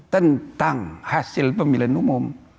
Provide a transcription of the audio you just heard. tentang hasil pemilihan umum